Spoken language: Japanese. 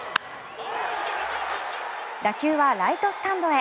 打球はライトスタンドへ。